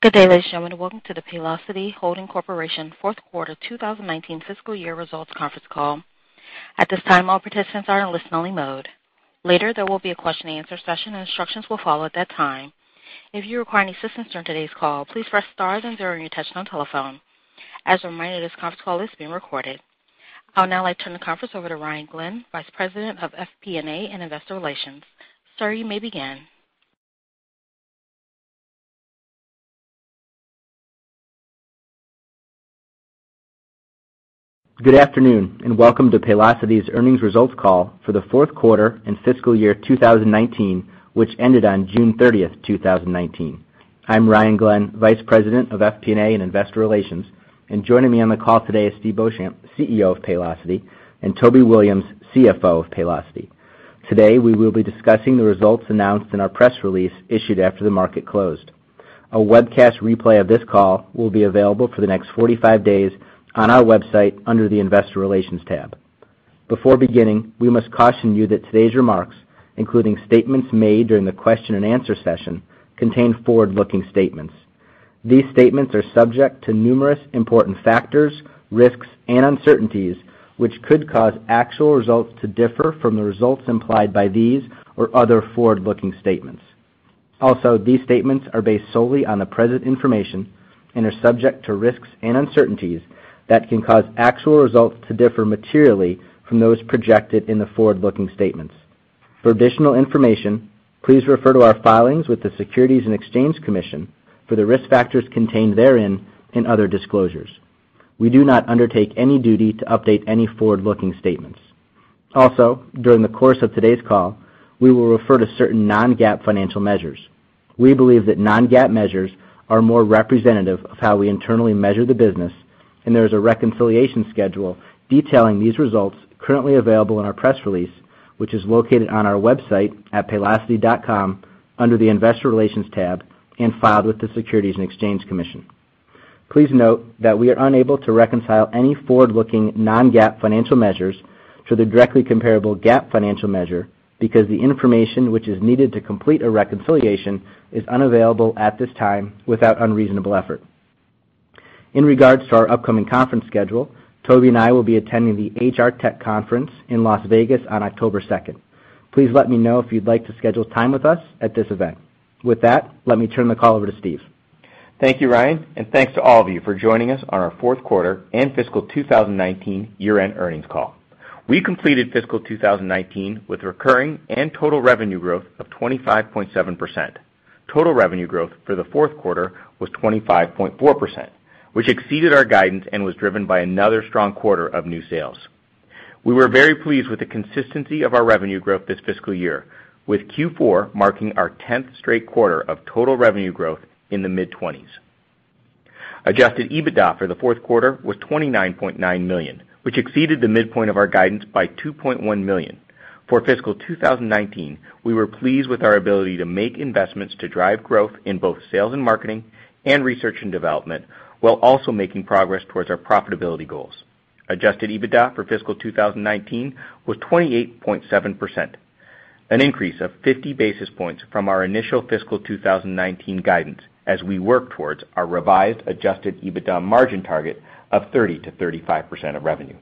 Good day, ladies and gentlemen. Welcome to the Paylocity Holding Corporation fourth quarter 2019 fiscal year results conference call. At this time, all participants are in listen only mode. Later, there will be a question and answer session. Instructions will follow at that time. If you require any assistance during today's call, please press star then zero on your touchtone telephone. As a reminder, this conference call is being recorded. I would now like to turn the conference over to Ryan Glenn, Vice President of FP&A and Investor Relations. Sir, you may begin. Good afternoon, and welcome to Paylocity's earnings results call for the fourth quarter and fiscal year 2019, which ended on June 30th, 2019. I'm Ryan Glenn, Vice President of FP&A and Investor Relations, and joining me on the call today is Steve Beauchamp, CEO of Paylocity, and Toby Williams, CFO of Paylocity. Today, we will be discussing the results announced in our press release issued after the market closed. A webcast replay of this call will be available for the next 45 days on our website under the investor relations tab. Before beginning, we must caution you that today's remarks, including statements made during the question and answer session, contain forward-looking statements. These statements are subject to numerous important factors, risks, and uncertainties, which could cause actual results to differ from the results implied by these or other forward-looking statements. Also, these statements are based solely on the present information and are subject to risks and uncertainties that can cause actual results to differ materially from those projected in the forward-looking statements. For additional information, please refer to our filings with the Securities and Exchange Commission for the risk factors contained therein and other disclosures. We do not undertake any duty to update any forward-looking statements. Also, during the course of today's call, we will refer to certain non-GAAP financial measures. We believe that non-GAAP measures are more representative of how we internally measure the business, and there is a reconciliation schedule detailing these results currently available in our press release, which is located on our website at paylocity.com under the investor relations tab and filed with the Securities and Exchange Commission. Please note that we are unable to reconcile any forward-looking non-GAAP financial measures to the directly comparable GAAP financial measure because the information which is needed to complete a reconciliation is unavailable at this time without unreasonable effort. In regards to our upcoming conference schedule, Toby and I will be attending the HR Technology Conference in Las Vegas on October 2nd. Please let me know if you'd like to schedule time with us at this event. With that, let me turn the call over to Steve. Thank you, Ryan, and thanks to all of you for joining us on our fourth quarter and fiscal 2019 year-end earnings call. We completed fiscal 2019 with recurring and total revenue growth of 25.7%. Total revenue growth for the fourth quarter was 25.4%, which exceeded our guidance and was driven by another strong quarter of new sales. We were very pleased with the consistency of our revenue growth this fiscal year, with Q4 marking our 10th straight quarter of total revenue growth in the mid-20s. Adjusted EBITDA for the fourth quarter was $29.9 million, which exceeded the midpoint of our guidance by $2.1 million. For fiscal 2019, we were pleased with our ability to make investments to drive growth in both sales and marketing and research and development while also making progress towards our profitability goals. Adjusted EBITDA for fiscal 2019 was 28.7%, an increase of 50 basis points from our initial fiscal 2019 guidance as we work towards our revised adjusted EBITDA margin target of 30%-35% of revenue.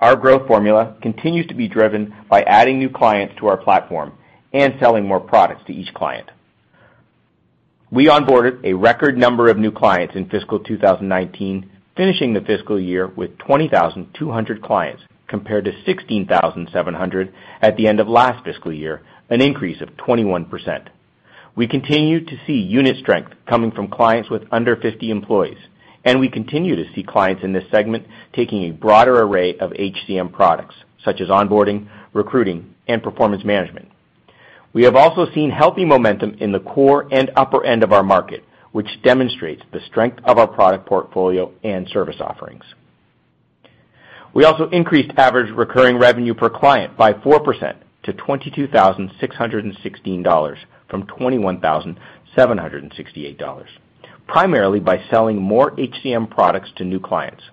Our growth formula continues to be driven by adding new clients to our platform and selling more products to each client. We onboarded a record number of new clients in fiscal 2019, finishing the fiscal year with 20,200 clients compared to 16,700 at the end of last fiscal year, an increase of 21%. We continue to see unit strength coming from clients with under 50 employees, and we continue to see clients in this segment taking a broader array of HCM products, such as onboarding, recruiting, and performance management. We have also seen healthy momentum in the core and upper end of our market, which demonstrates the strength of our product portfolio and service offerings. We also increased average recurring revenue per client by 4% to $22,616 from $21,768, primarily by selling more HCM products to new clients.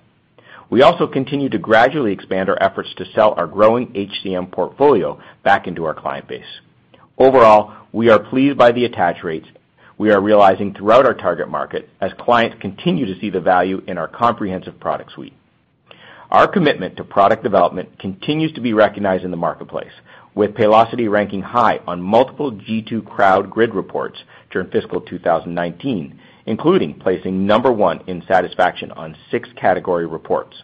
We also continue to gradually expand our efforts to sell our growing HCM portfolio back into our client base. Overall, we are pleased by the attach rates we are realizing throughout our target market as clients continue to see the value in our comprehensive product suite. Our commitment to product development continues to be recognized in the marketplace, with Paylocity ranking high on multiple G2 Crowd grid reports during fiscal 2019, including placing number one in satisfaction on 6 category reports.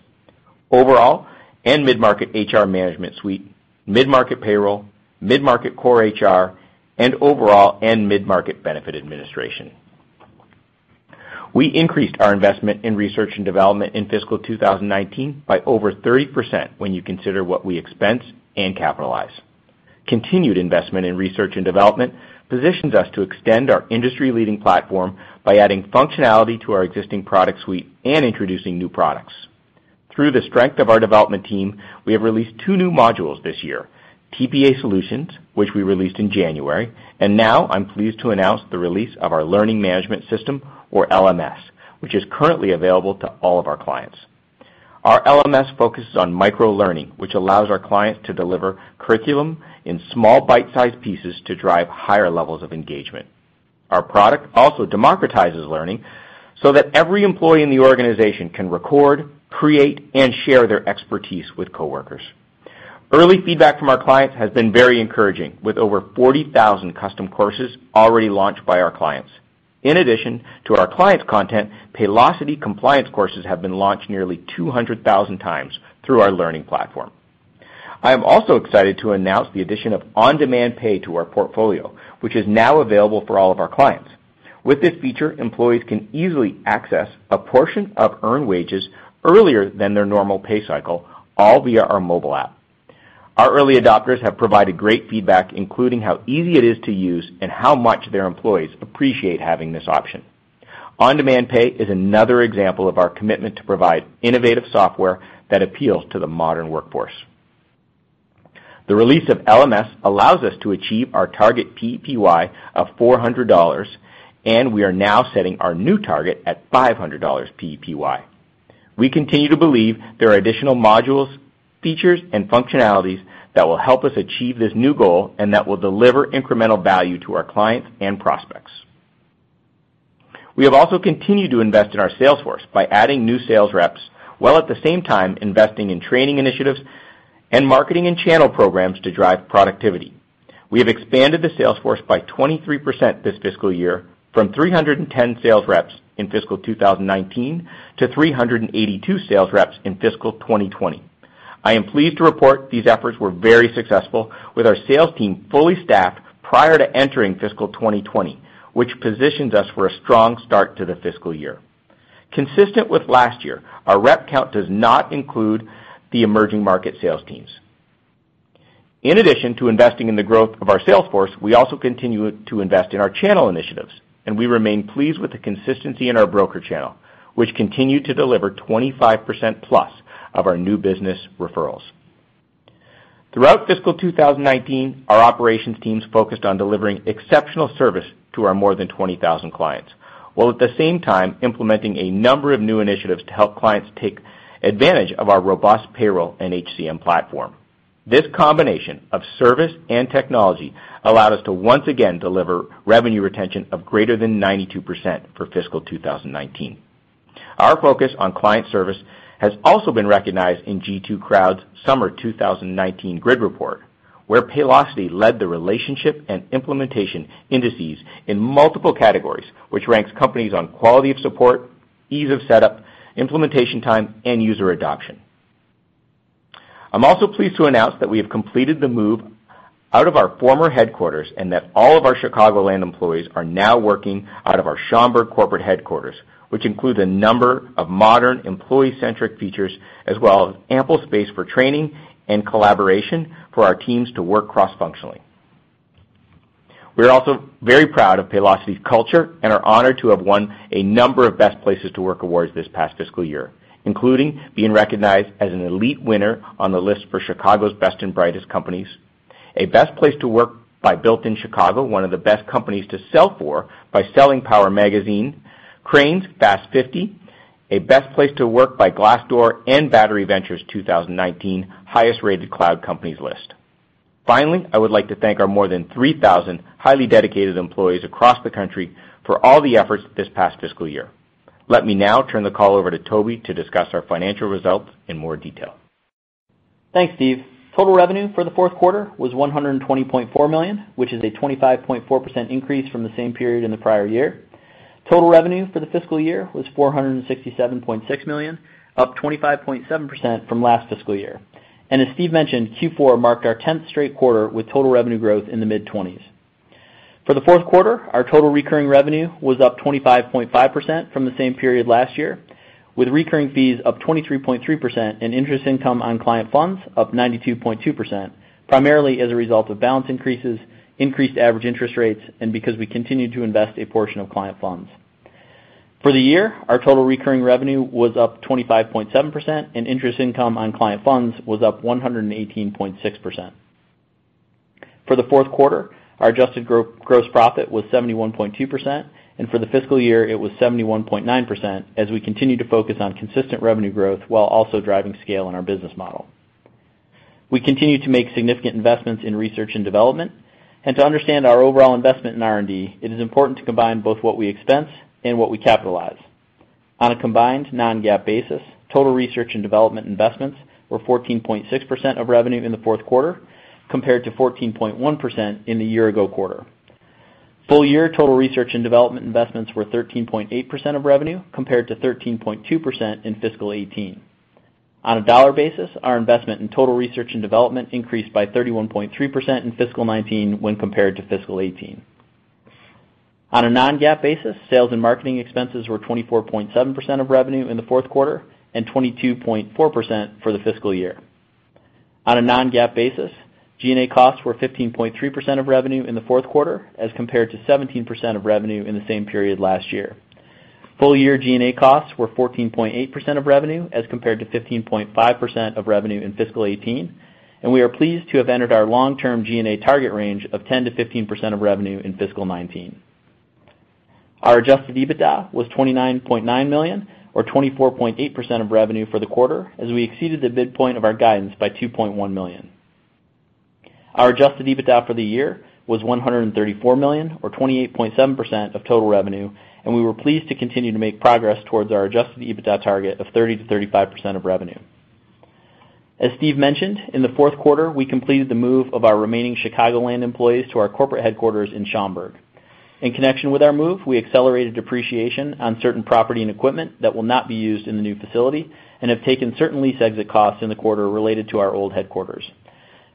Overall and mid-market HR management suite, mid-market payroll, mid-market core HR, and overall and mid-market benefit administration. We increased our investment in research and development in fiscal 2019 by over 30% when you consider what we expense and capitalize. Continued investment in research and development positions us to extend our industry-leading platform by adding functionality to our existing product suite and introducing new products. Through the strength of our development team, we have released two new modules this year, TPA Solutions, which we released in January, and now I'm pleased to announce the release of our learning management system or LMS, which is currently available to all of our clients. Our LMS focuses on microlearning, which allows our clients to deliver curriculum in small bite-sized pieces to drive higher levels of engagement. Our product also democratizes learning so that every employee in the organization can record, create, and share their expertise with coworkers. Early feedback from our clients has been very encouraging, with over 40,000 custom courses already launched by our clients. In addition to our clients' content, Paylocity compliance courses have been launched nearly 200,000 times through our learning platform. I am also excited to announce the addition of on-demand pay to our portfolio, which is now available for all of our clients. With this feature, employees can easily access a portion of earned wages earlier than their normal pay cycle, all via our mobile app. Our early adopters have provided great feedback, including how easy it is to use and how much their employees appreciate having this option. On-demand pay is another example of our commitment to provide innovative software that appeals to the modern workforce. The release of LMS allows us to achieve our target PEPY of $400, and we are now setting our new target at $500 PEPY. We continue to believe there are additional modules, features, and functionalities that will help us achieve this new goal and that will deliver incremental value to our clients and prospects. We have also continued to invest in our sales force by adding new sales reps, while at the same time investing in training initiatives and marketing and channel programs to drive productivity. We have expanded the sales force by 23% this fiscal year, from 310 sales reps in fiscal 2019 to 382 sales reps in fiscal 2020. I am pleased to report these efforts were very successful, with our sales team fully staffed prior to entering fiscal 2020, which positions us for a strong start to the fiscal year. Consistent with last year, our rep count does not include the emerging market sales teams. In addition to investing in the growth of our sales force, we also continue to invest in our channel initiatives, and we remain pleased with the consistency in our broker channel, which continued to deliver 25%+ of our new business referrals. Throughout fiscal 2019, our operations teams focused on delivering exceptional service to our more than 20,000 clients, while at the same time implementing a number of new initiatives to help clients take advantage of our robust payroll and HCM platform. This combination of service and technology allowed us to once again deliver revenue retention of greater than 92% for fiscal 2019. Our focus on client service has also been recognized in G2 Crowd's Summer 2019 Grid Report, where Paylocity led the relationship and implementation indices in multiple categories, which ranks companies on quality of support, ease of setup, implementation time, and user adoption. I'm also pleased to announce that we have completed the move out of our former headquarters and that all of our Chicagoland employees are now working out of our Schaumburg corporate headquarters, which includes a number of modern employee-centric features as well as ample space for training and collaboration for our teams to work cross-functionally. We are also very proud of Paylocity's culture and are honored to have won a number of Best Places to Work awards this past fiscal year, including being recognized as an elite winner on the list for Chicago's Best and Brightest Companies, a Best Place to Work by Built In Chicago, one of the Best Companies to Sell For by Selling Power Magazine, Crain's Fast 50, a Best Place to Work by Glassdoor, and Battery Ventures 2019 highest-rated cloud companies list. Finally, I would like to thank our more than 3,000 highly dedicated employees across the country for all the efforts this past fiscal year. Let me now turn the call over to Toby to discuss our financial results in more detail. Thanks, Steve. Total revenue for the fourth quarter was $120.4 million, which is a 25.4% increase from the same period in the prior year. Total revenue for the fiscal year was $467.6 million, up 25.7% from last fiscal year. As Steve mentioned, Q4 marked our 10th straight quarter with total revenue growth in the mid-20s. For the fourth quarter, our total recurring revenue was up 25.5% from the same period last year, with recurring fees up 23.3% and interest income on client funds up 92.2%, primarily as a result of balance increases, increased average interest rates, and because we continued to invest a portion of client funds. For the year, our total recurring revenue was up 25.7%, and interest income on client funds was up 118.6%. For the fourth quarter, our adjusted gross profit was 71.2%, and for the fiscal year, it was 71.9% as we continue to focus on consistent revenue growth while also driving scale in our business model. We continue to make significant investments in research and development. To understand our overall investment in R&D, it is important to combine both what we expense and what we capitalize. On a combined non-GAAP basis, total research and development investments were 14.6% of revenue in the fourth quarter, compared to 14.1% in the year-ago quarter. Full-year total research and development investments were 13.8% of revenue, compared to 13.2% in fiscal 2018. On a dollar basis, our investment in total research and development increased by 31.3% in fiscal 2019 when compared to fiscal 2018. On a non-GAAP basis, sales and marketing expenses were 24.7% of revenue in the fourth quarter and 22.4% for the fiscal year. On a non-GAAP basis, G&A costs were 15.3% of revenue in the fourth quarter as compared to 17% of revenue in the same period last year. Full-year G&A costs were 14.8% of revenue as compared to 15.5% of revenue in fiscal 2018, and we are pleased to have entered our long-term G&A target range of 10%-15% of revenue in fiscal 2019. Our adjusted EBITDA was $29.9 million or 24.8% of revenue for the quarter, as we exceeded the midpoint of our guidance by $2.1 million. Our adjusted EBITDA for the year was $134 million or 28.7% of total revenue, and we were pleased to continue to make progress towards our adjusted EBITDA target of 30%-35% of revenue. As Steve mentioned, in the fourth quarter, we completed the move of our remaining Chicagoland employees to our corporate headquarters in Schaumburg. In connection with our move, we accelerated depreciation on certain property and equipment that will not be used in the new facility and have taken certain lease exit costs in the quarter related to our old headquarters.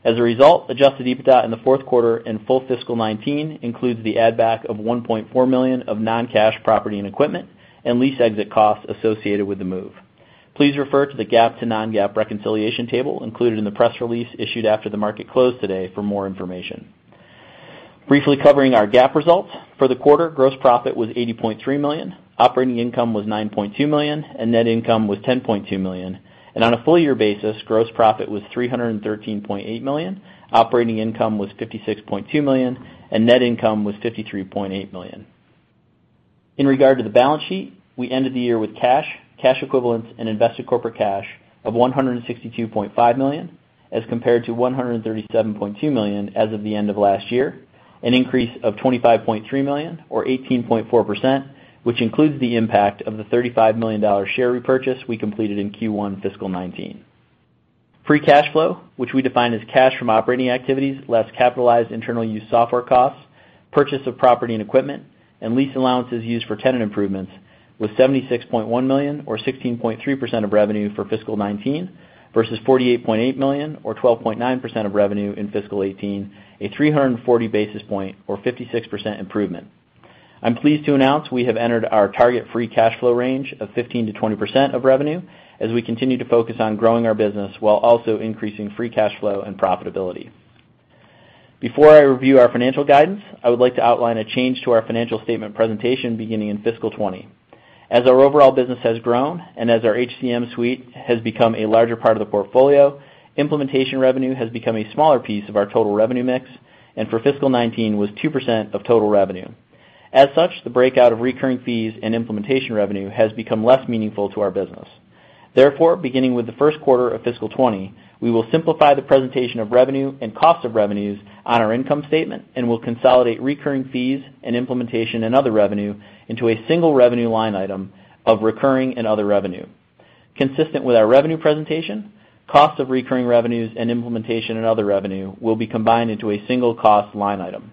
As a result, adjusted EBITDA in the fourth quarter and full fiscal 2019 includes the add-back of $1.4 million of non-cash, property and equipment, and lease exit costs associated with the move. Please refer to the GAAP to non-GAAP reconciliation table included in the press release issued after the market closed today for more information. Briefly covering our GAAP results. For the quarter, gross profit was $80.3 million, operating income was $9.2 million, and net income was $10.2 million. On a full year basis, gross profit was $313.8 million, operating income was $56.2 million, and net income was $53.8 million. In regard to the balance sheet, we ended the year with cash equivalents, and invested corporate cash of $162.5 million as compared to $137.2 million as of the end of last year, an increase of $25.3 million or 18.4%, which includes the impact of the $35 million share repurchase we completed in Q1 fiscal 2019. Free cash flow, which we define as cash from operating activities less capitalized internal use software costs, purchase of property and equipment, and lease allowances used for tenant improvements was $76.1 million or 16.3% of revenue for fiscal 2019 versus $48.8 million or 12.9% of revenue in fiscal 2018, a 340 basis point or 56% improvement. I'm pleased to announce we have entered our target free cash flow range of 15%-20% of revenue as we continue to focus on growing our business while also increasing free cash flow and profitability. Before I review our financial guidance, I would like to outline a change to our financial statement presentation beginning in fiscal 2020. As our overall business has grown and as our HCM suite has become a larger part of the portfolio, implementation revenue has become a smaller piece of our total revenue mix, and for fiscal 2019 was 2% of total revenue. As such, the breakout of recurring fees and implementation revenue has become less meaningful to our business. Therefore, beginning with the first quarter of fiscal 2020, we will simplify the presentation of revenue and cost of revenues on our income statement and will consolidate recurring fees and implementation and other revenue into a single revenue line item of recurring and other revenue. Consistent with our revenue presentation, cost of recurring revenues and implementation and other revenue will be combined into a single cost line item.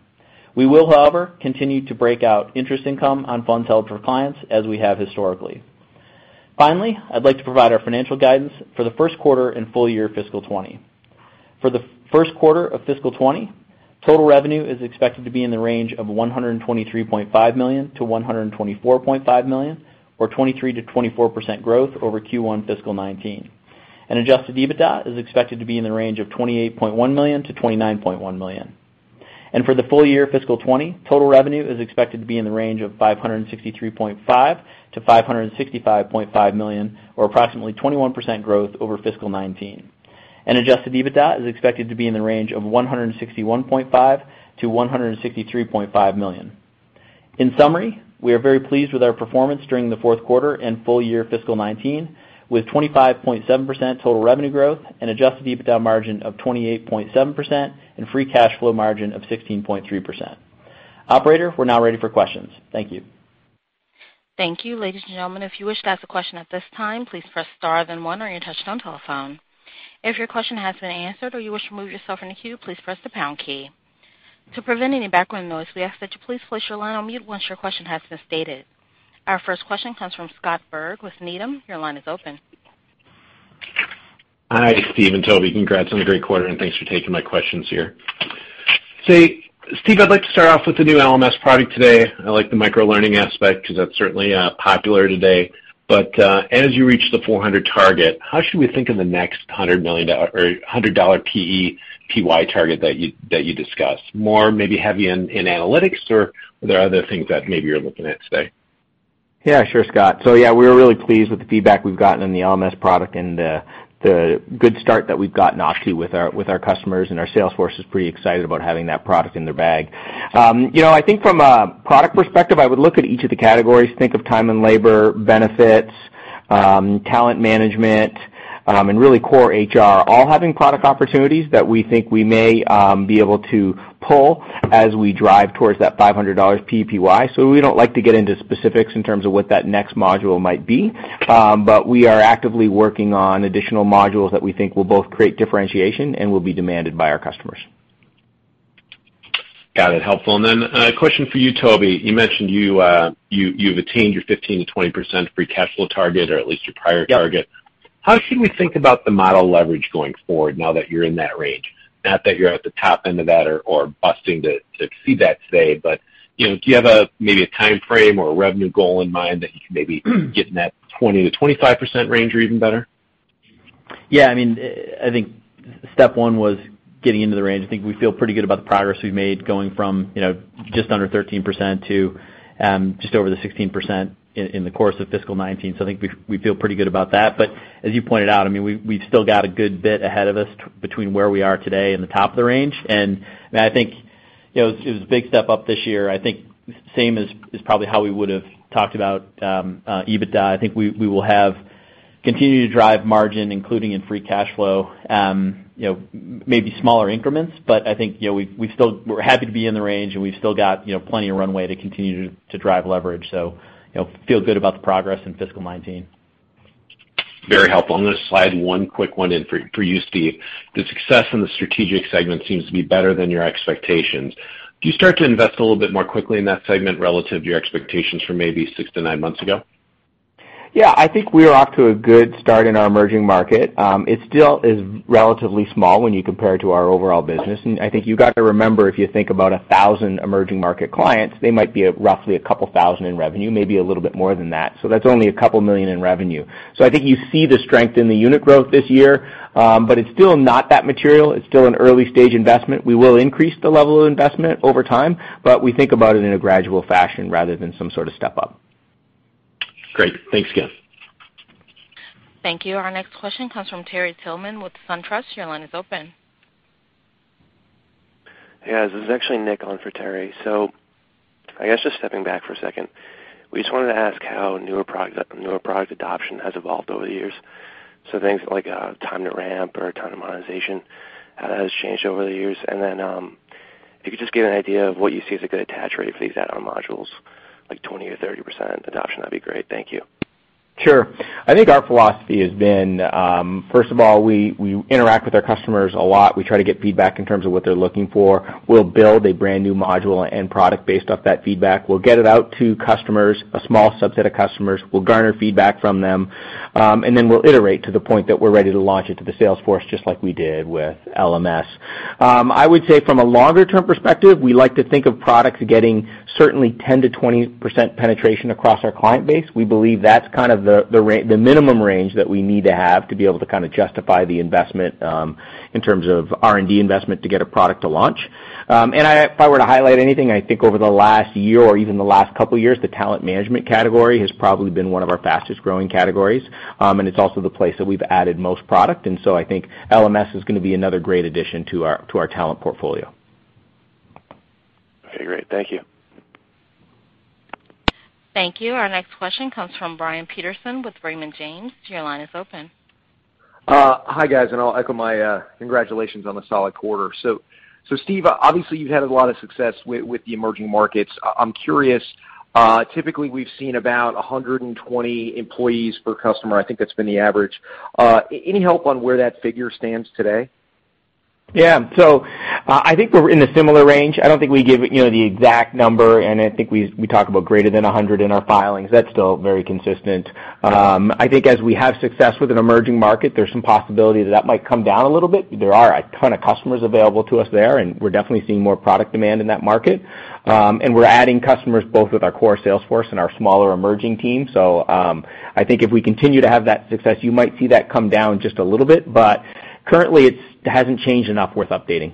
We will, however, continue to break out interest income on funds held for clients as we have historically. Finally, I'd like to provide our financial guidance for the first quarter and full year fiscal 2020. For the first quarter of fiscal 2020, total revenue is expected to be in the range of $123.5 million-$124.5 million or 23%-24% growth over Q1 fiscal 2019. Adjusted EBITDA is expected to be in the range of $28.1 million-$29.1 million. For the full year fiscal 2020, total revenue is expected to be in the range of $563.5 million-$565.5 million or approximately 21% growth over fiscal 2019. Adjusted EBITDA is expected to be in the range of $161.5 million-$163.5 million. In summary, we are very pleased with our performance during the fourth quarter and full year fiscal 2019 with 25.7% total revenue growth, an adjusted EBITDA margin of 28.7%, and free cash flow margin of 16.3%. Operator, we're now ready for questions. Thank you. Thank you. Ladies and gentlemen, if you wish to ask a question at this time, please press star then one on your touchtone telephone. If your question has been answered or you wish to remove yourself from the queue, please press the pound key. To prevent any background noise, we ask that you please place your line on mute once your question has been stated. Our first question comes from Scott Berg with Needham. Your line is open. Hi, Steve and Toby. Congrats on the great quarter, and thanks for taking my questions here. Steve, I'd like to start off with the new LMS product today. I like the micro-learning aspect because that's certainly popular today. As you reach the 400 target, how should we think of the next $100 PEPY target that you discussed? More maybe heavy in analytics, or are there other things that maybe you're looking at today? Yeah, sure, Scott. Yeah, we're really pleased with the feedback we've gotten on the LMS product and the good start that we've gotten off to with our customers, and our sales force is pretty excited about having that product in their bag. I think from a product perspective, I would look at each of the categories, think of time and labor benefits, talent management, and really core HR, all having product opportunities that we think we may be able to pull as we drive towards that $500 PEPY. We don't like to get into specifics in terms of what that next module might be. We are actively working on additional modules that we think will both create differentiation and will be demanded by our customers. Got it. Helpful. Then a question for you, Toby. You mentioned you've attained your 15%-20% free cash flow target, or at least your prior target. Yep. How should we think about the model leverage going forward now that you're in that range? Not that you're at the top end of that or busting to exceed that today, but do you have maybe a time frame or a revenue goal in mind that you can maybe get in that 20%-25% range or even better? Yeah, I think step one was getting into the range. I think we feel pretty good about the progress we've made going from just under 13% to just over the 16% in the course of fiscal 2019. I think we feel pretty good about that. As you pointed out, we've still got a good bit ahead of us between where we are today and the top of the range. I think it was a big step up this year. I think same as probably how we would have talked about EBITDA. I think we will have Continue to drive margin, including in free cash flow. Maybe smaller increments, I think we're happy to be in the range, and we've still got plenty of runway to continue to drive leverage. Feel good about the progress in fiscal 2019. Very helpful. I'm going to slide one quick one in for you, Steve. The success in the strategic segment seems to be better than your expectations. Do you start to invest a little bit more quickly in that segment relative to your expectations from maybe six to nine months ago? Yeah, I think we are off to a good start in our emerging market. It still is relatively small when you compare it to our overall business. I think you've got to remember, if you think about 1,000 emerging market clients, they might be roughly a couple thousand in revenue, maybe a little bit more than that. That's only a couple million in revenue. I think you see the strength in the unit growth this year, but it's still not that material. It's still an early-stage investment. We will increase the level of investment over time, but we think about it in a gradual fashion rather than some sort of step-up. Great. Thanks again. Thank you. Our next question comes from Terry Tillman with SunTrust. Your line is open. Yes, this is actually Nick on for Terry. I guess just stepping back for a second, we just wanted to ask how newer product adoption has evolved over the years. Things like time to ramp or time to monetization, how that has changed over the years. If you could just give an idea of what you see as a good attach rate for these add-on modules, like 20% or 30% adoption, that'd be great. Thank you. Sure. I think our philosophy has been, first of all, we interact with our customers a lot. We try to get feedback in terms of what they're looking for. We'll build a brand-new module and product based off that feedback. We'll get it out to customers, a small subset of customers. We'll garner feedback from them, and then we'll iterate to the point that we're ready to launch it to the sales force, just like we did with LMS. I would say from a longer-term perspective, we like to think of products getting certainly 10%-20% penetration across our client base. We believe that's kind of the minimum range that we need to have to be able to justify the investment, in terms of R&D investment to get a product to launch. If I were to highlight anything, I think over the last year or even the last couple of years, the talent management category has probably been one of our fastest-growing categories. It's also the place that we've added most product. I think LMS is going to be another great addition to our talent portfolio. Okay, great. Thank you. Thank you. Our next question comes from Brian Peterson with Raymond James. Your line is open. Hi, guys. I'll echo my congratulations on the solid quarter. Steve, obviously, you've had a lot of success with the emerging markets. I'm curious, typically we've seen about 120 employees per customer. I think that's been the average. Any help on where that figure stands today? Yeah. I think we're in a similar range. I don't think we give the exact number, and I think we talk about greater than 100 in our filings. That's still very consistent. I think as we have success with an emerging market, there's some possibility that that might come down a little bit. There are a ton of customers available to us there, and we're definitely seeing more product demand in that market. We're adding customers both with our core sales force and our smaller emerging team. I think if we continue to have that success, you might see that come down just a little bit, but currently it hasn't changed enough worth updating.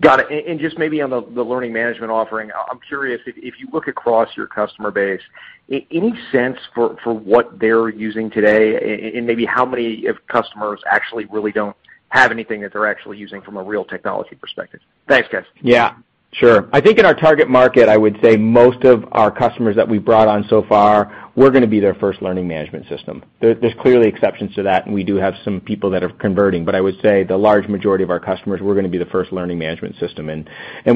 Got it. Just maybe on the learning management offering, I'm curious if you look across your customer base, any sense for what they're using today, and maybe how many of customers actually really don't have anything that they're actually using from a real technology perspective? Thanks, guys. Yeah. Sure. I think in our target market, I would say most of our customers that we've brought on so far, we're going to be their first learning management system. There's clearly exceptions to that, and we do have some people that are converting, but I would say the large majority of our customers, we're going to be the first learning management system.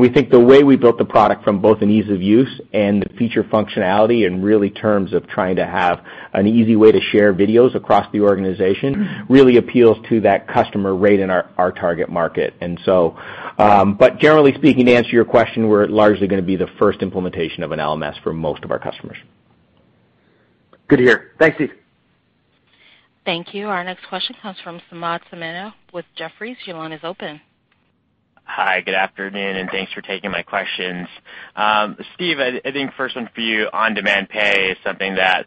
We think the way we built the product from both an ease of use and the feature functionality, and really terms of trying to have an easy way to share videos across the organization, really appeals to that customer rate in our target market. Generally speaking, to answer your question, we're largely going to be the first implementation of an LMS for most of our customers. Good to hear. Thanks, Steve. Thank you. Our next question comes from Samad Samana with Jefferies. Your line is open. Hi, good afternoon, and thanks for taking my questions. Steve, I think first one for you. On-demand pay is something that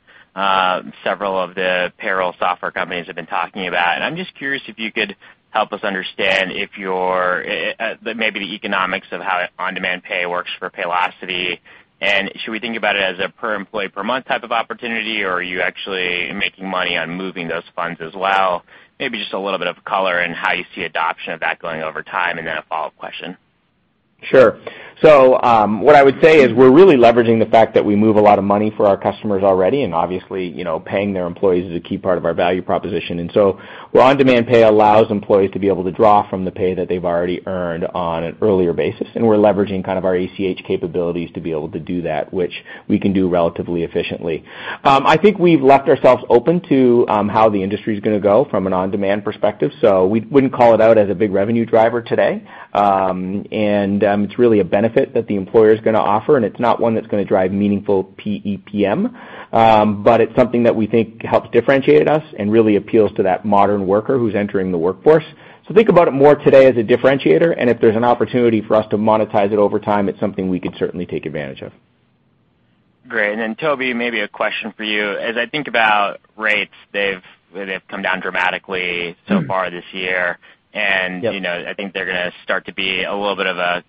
several of the payroll software companies have been talking about, and I'm just curious if you could help us understand maybe the economics of how on-demand pay works for Paylocity. Should we think about it as a per employee per month type of opportunity, or are you actually making money on moving those funds as well? Maybe just a little bit of color in how you see adoption of that going over time, and then a follow-up question. What I would say is we're really leveraging the fact that we move a lot of money for our customers already, and obviously, paying their employees is a key part of our value proposition. Our on-demand pay allows employees to be able to draw from the pay that they've already earned on an earlier basis, and we're leveraging kind of our ACH capabilities to be able to do that, which we can do relatively efficiently. I think we've left ourselves open to how the industry's going to go from an on-demand perspective, so we wouldn't call it out as a big revenue driver today. It's really a benefit that the employer's going to offer, and it's not one that's going to drive meaningful PEPM. It's something that we think helps differentiate us and really appeals to that modern worker who's entering the workforce. Think about it more today as a differentiator, and if there's an opportunity for us to monetize it over time, it's something we could certainly take advantage of. Great. Toby, maybe a question for you. As I think about rates, they've come down dramatically so far this year. Yep. I think they're going to start to be a little bit of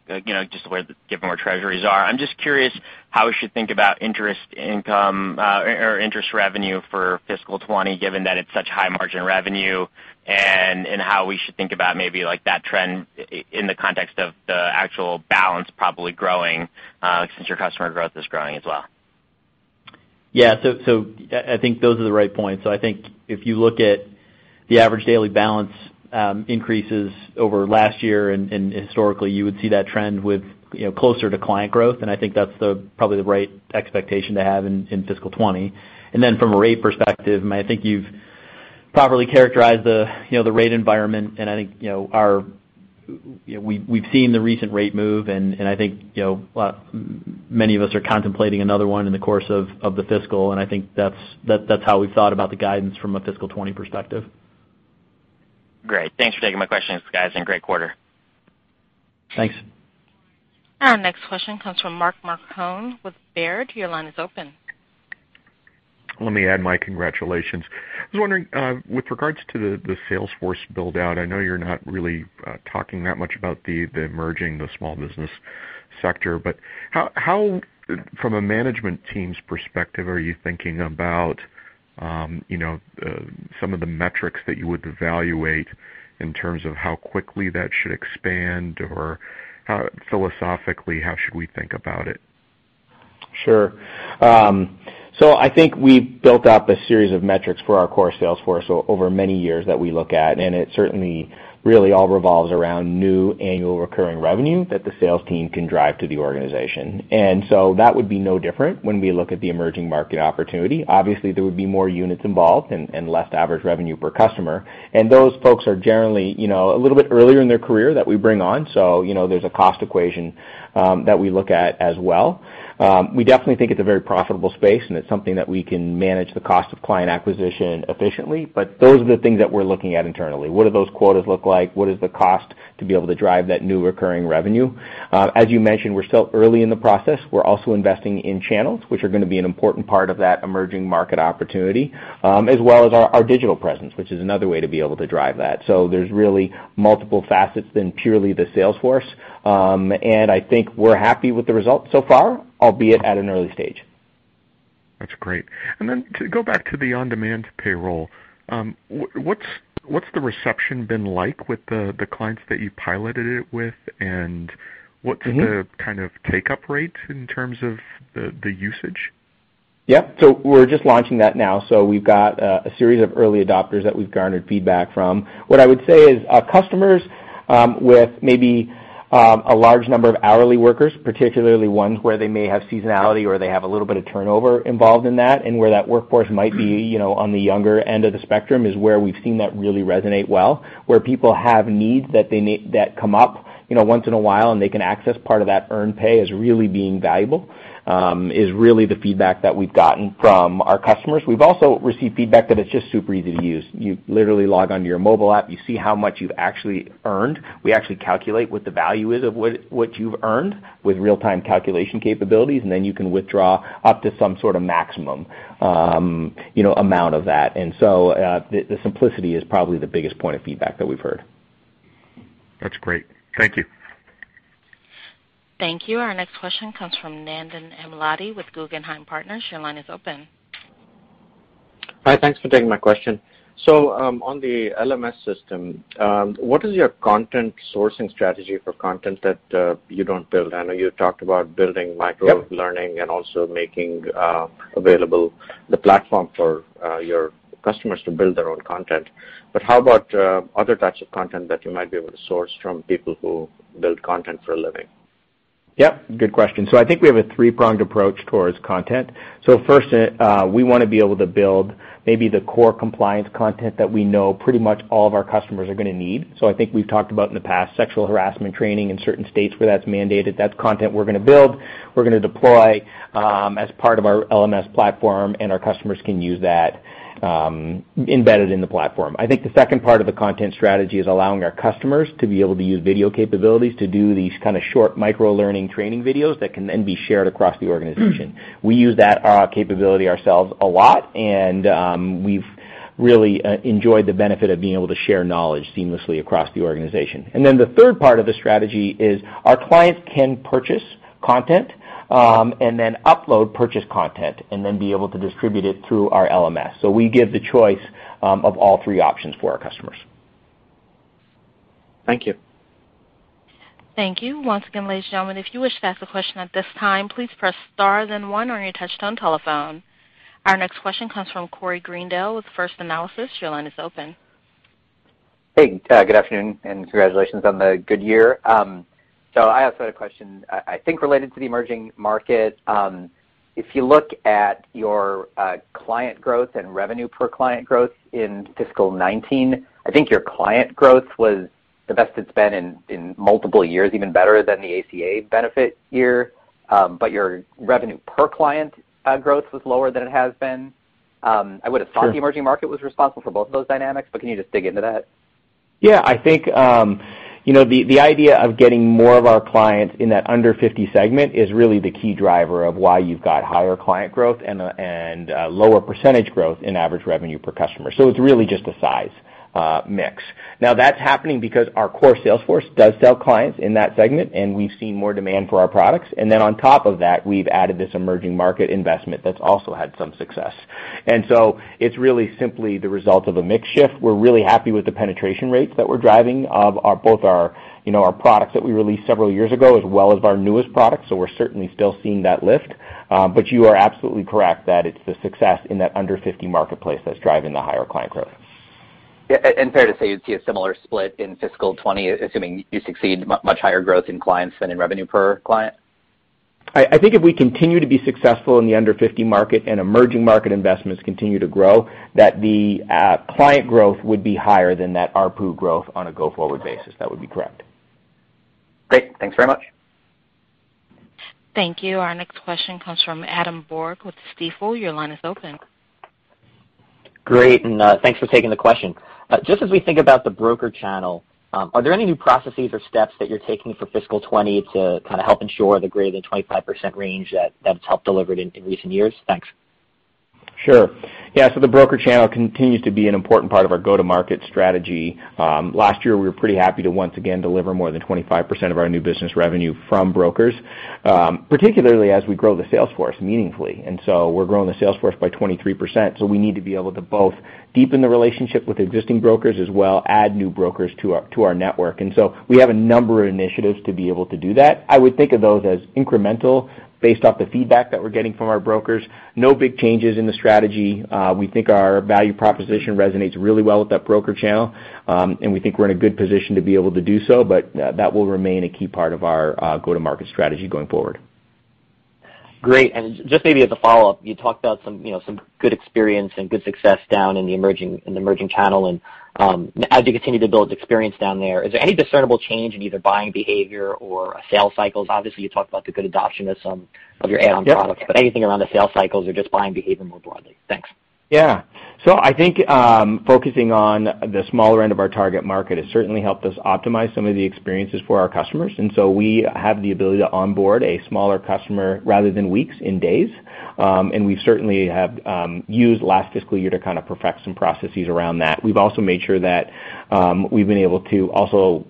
just the way, given where treasuries are. I'm just curious how we should think about interest income, or interest revenue for fiscal 2020, given that it's such high-margin revenue, and how we should think about maybe that trend in the context of the actual balance probably growing, since your customer growth is growing as well. Yeah. I think those are the right points. I think if you look at the average daily balance increases over last year and historically, you would see that trend with closer to client growth. I think that's probably the right expectation to have in fiscal 2020. From a rate perspective, I think you've properly characterized the rate environment and I think we've seen the recent rate move, and I think many of us are contemplating another one in the course of the fiscal, and I think that's how we've thought about the guidance from a fiscal 2020 perspective. Great. Thanks for taking my questions, guys, and great quarter. Thanks. Our next question comes from Mark Marcon with Baird. Your line is open. Let me add my congratulations. I was wondering, with regards to the sales force build-out, I know you're not really talking that much about the emerging, the small business sector, but how, from a management team's perspective, are you thinking about some of the metrics that you would evaluate in terms of how quickly that should expand or philosophically, how should we think about it? Sure. I think we've built up a series of metrics for our core sales force over many years that we look at, and it certainly really all revolves around new annual recurring revenue that the sales team can drive to the organization. That would be no different when we look at the emerging market opportunity. Obviously, there would be more units involved and less average revenue per customer. Those folks are generally a little bit earlier in their career that we bring on. There's a cost equation that we look at as well. We definitely think it's a very profitable space and it's something that we can manage the cost of client acquisition efficiently. Those are the things that we're looking at internally. What do those quotas look like? What is the cost to be able to drive that new recurring revenue? As you mentioned, we're still early in the process. We're also investing in channels, which are going to be an important part of that emerging market opportunity, as well as our digital presence, which is another way to be able to drive that. There's really multiple facets in purely the sales force. I think we're happy with the results so far, albeit at an early stage. That's great. To go back to the on-demand payroll, what's the reception been like with the clients that you piloted it with? What's the kind of take-up rate in terms of the usage? Yeah. We're just launching that now. We've got a series of early adopters that we've garnered feedback from. What I would say is our customers with maybe a large number of hourly workers, particularly ones where they may have seasonality or they have a little bit of turnover involved in that, and where that workforce might be on the younger end of the spectrum, is where we've seen that really resonate well. Where people have needs that come up once in a while, and they can access part of that earned pay as really being valuable, is really the feedback that we've gotten from our customers. We've also received feedback that it's just super easy to use. You literally log on to your mobile app, you see how much you've actually earned. We actually calculate what the value is of what you've earned with real-time calculation capabilities, then you can withdraw up to some sort of maximum amount of that. The simplicity is probably the biggest point of feedback that we've heard. That's great. Thank you. Thank you. Our next question comes from Nandan Amladi with Guggenheim Partners. Your line is open. Hi, thanks for taking my question. On the LMS system, what is your content sourcing strategy for content that you don't build? I know you talked about building microlearning and also making available the platform for your customers to build their own content. How about other types of content that you might be able to source from people who build content for a living? Yep, good question. I think we have a three-pronged approach towards content. First, we want to be able to build maybe the core compliance content that we know pretty much all of our customers are going to need. I think we've talked about in the past, sexual harassment training in certain states where that's mandated. That's content we're going to build, we're going to deploy as part of our LMS platform, and our customers can use that embedded in the platform. I think the second part of the content strategy is allowing our customers to be able to use video capabilities to do these kind of short microlearning training videos that can then be shared across the organization. We use that capability ourselves a lot, and we've really enjoyed the benefit of being able to share knowledge seamlessly across the organization. The third part of the strategy is our clients can purchase content, and then upload purchased content, and then be able to distribute it through our LMS. We give the choice of all three options for our customers. Thank you. Thank you. Once again, ladies and gentlemen, if you wish to ask a question at this time, please press star then one on your touch-tone telephone. Our next question comes from Corey Greendale with First Analysis. Your line is open. Good afternoon, and congratulations on the good year. I also had a question I think related to the emerging market. If you look at your client growth and revenue per client growth in fiscal 2019, I think your client growth was the best it's been in multiple years, even better than the ACA benefit year. Your revenue per client growth was lower than it has been. I would have thought the emerging market was responsible for both of those dynamics, but can you just dig into that? Yeah. I think the idea of getting more of our clients in that under 50 segment is really the key driver of why you've got higher client growth and lower % growth in average revenue per customer. It's really just a size mix. That's happening because our core sales force does sell clients in that segment, and we've seen more demand for our products. On top of that, we've added this emerging market investment that's also had some success. It's really simply the result of a mix shift. We're really happy with the penetration rates that we're driving of both our products that we released several years ago as well as our newest products. We're certainly still seeing that lift. You are absolutely correct that it's the success in that under 50 marketplace that's driving the higher client growth. Yeah. fair to say you'd see a similar split in fiscal 2020, assuming you succeed much higher growth in clients than in revenue per client? I think if we continue to be successful in the under 50 market and emerging market investments continue to grow, that the client growth would be higher than that ARPU growth on a go-forward basis. That would be correct. Great. Thanks very much. Thank you. Our next question comes from Adam Borg with Stifel. Your line is open. Great, thanks for taking the question. Just as we think about the broker channel, are there any new processes or steps that you're taking for fiscal 2020 to help ensure the greater than 25% range that it's helped delivered in recent years? Thanks. Sure. Yeah, the broker channel continues to be an important part of our go-to-market strategy. Last year, we were pretty happy to once again deliver more than 25% of our new business revenue from brokers, particularly as we grow the sales force meaningfully. We're growing the sales force by 23%, so we need to be able to both deepen the relationship with existing brokers as well add new brokers to our network. We have a number of initiatives to be able to do that. I would think of those as incremental based off the feedback that we're getting from our brokers. No big changes in the strategy. We think our value proposition resonates really well with that broker channel. We think we're in a good position to be able to do so. That will remain a key part of our go-to-market strategy going forward. Great. Just maybe as a follow-up, you talked about some good experience and good success down in the emerging channel and as you continue to build experience down there, is there any discernible change in either buying behavior or sales cycles? Obviously, you talked about the good adoption of some of your add-on products. Yep Anything around the sales cycles or just buying behavior more broadly? Thanks. Yeah. I think focusing on the smaller end of our target market has certainly helped us optimize some of the experiences for our customers. We have the ability to onboard a smaller customer rather than weeks, in days. We certainly have used last fiscal year to perfect some processes around that. We've also made sure that we've been able to also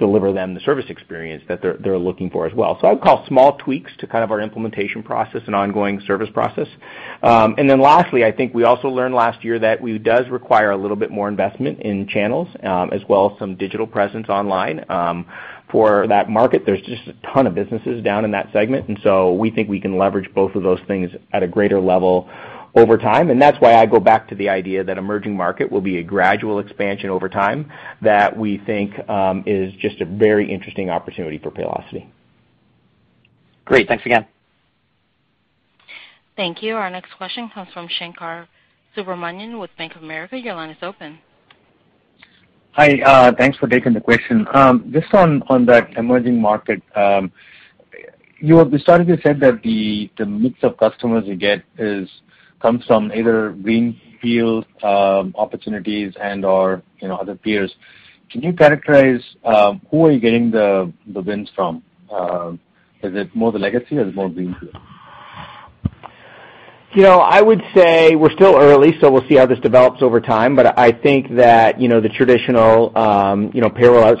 deliver them the service experience that they're looking for as well. I would call small tweaks to our implementation process and ongoing service process. Lastly, I think we also learned last year that it does require a little bit more investment in channels, as well as some digital presence online for that market. There's just a ton of businesses down in that segment. We think we can leverage both of those things at a greater level over time. That's why I go back to the idea that emerging market will be a gradual expansion over time that we think is just a very interesting opportunity for Paylocity. Great. Thanks again. Thank you. Our next question comes from Shankar Subramaniam with Bank of America. Your line is open. Hi. Thanks for taking the question. Just on that emerging market, you at the start you said that the mix of customers you get comes from either greenfield opportunities and/or other peers. Can you characterize who are you getting the wins from? Is it more the legacy or is it more greenfield? I would say we're still early, so we'll see how this develops over time. I think that the traditional payroll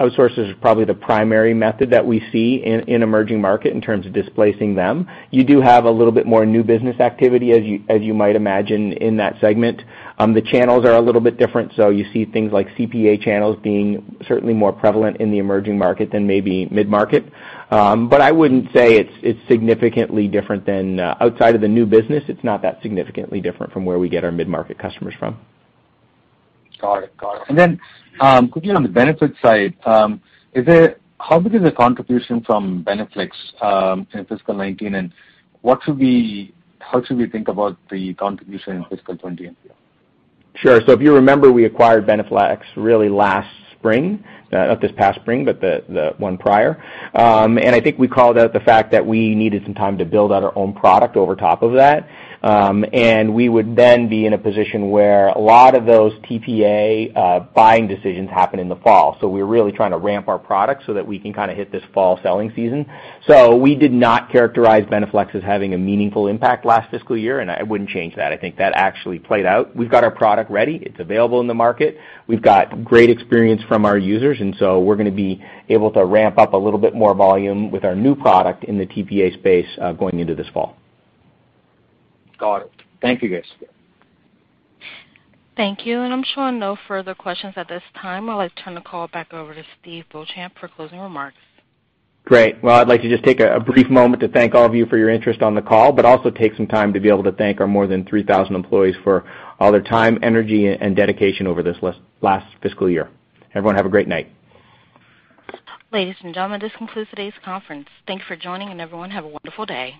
outsourcers is probably the primary method that we see in emerging market in terms of displacing them. You do have a little bit more new business activity, as you might imagine, in that segment. The channels are a little bit different, so you see things like CPA channels being certainly more prevalent in the emerging market than maybe mid-market. I wouldn't say it's significantly different than, outside of the new business, it's not that significantly different from where we get our mid-market customers from. Got it. Quickly on the benefits side, how big is the contribution from BeneFLEX in fiscal 2019, and how should we think about the contribution in fiscal 2020? Sure. If you remember, we acquired BeneFLEX really last spring, not this past spring, but the one prior. I think we called out the fact that we needed some time to build out our own product over top of that. We would then be in a position where a lot of those TPA buying decisions happen in the fall. We're really trying to ramp our product so that we can hit this fall selling season. We did not characterize BeneFLEX as having a meaningful impact last fiscal year, and I wouldn't change that. I think that actually played out. We've got our product ready. It's available in the market. We've got great experience from our users, and so we're going to be able to ramp up a little bit more volume with our new product in the TPA space going into this fall. Got it. Thank you guys. Thank you. I'm showing no further questions at this time. I'll turn the call back over to Steve Beauchamp for closing remarks. Great. Well, I'd like to just take a brief moment to thank all of you for your interest on the call, but also take some time to be able to thank our more than 3,000 employees for all their time, energy, and dedication over this last fiscal year. Everyone, have a great night. Ladies and gentlemen, this concludes today's conference. Thanks for joining, and everyone, have a wonderful day.